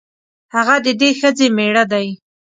هغه د دې ښځې مېړه دی.